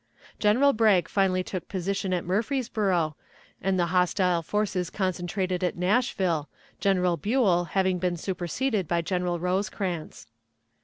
General Bragg finally took position at Murfreesboro, and the hostile forces concentrated at Nashville, General Buell having been superseded by General Rosecrans.